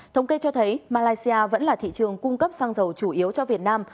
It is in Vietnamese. thống kê cho thấy malaysia vẫn là thị trường cung cấp xăng dầu chủ yếu cho việt nam